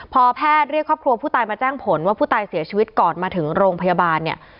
พอแพทย์เรียกครอบครัวผู้ตายมาแจ้งผลว่าผู้ตายเสียชีวิตก่อนมาถึงโรงพยาบาลเนี่ย